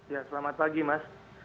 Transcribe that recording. ya selamat pagi mas